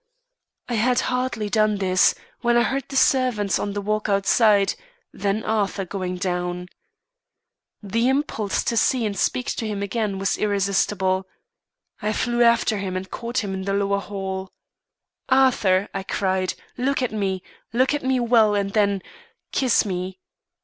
"I had hardly done this when I heard the servants on the walk outside, then Arthur going down. The impulse to see and speak to him again was irresistible. I flew after him and caught him in the lower hall. 'Arthur,' I cried, 'look at me, look at me well, and then kiss me!